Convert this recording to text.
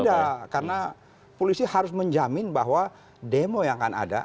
tidak karena polisi harus menjamin bahwa demo yang akan ada